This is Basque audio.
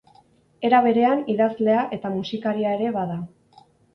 Era berean, idazlea eta musikaria ere bada.